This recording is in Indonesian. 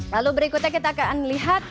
lalu berikutnya kita akan lihat